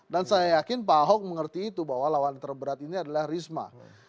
dan saya yakin pak ahok mengerti itu bahwa lawan terberat ini adalah risma